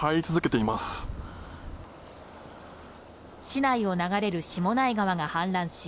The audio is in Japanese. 市内を流れる下内川が氾濫し